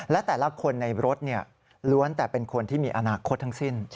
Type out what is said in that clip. และแต่ละคนในรถล้วนแต่เป็นคนที่มีอนาคตทั้งสิ้น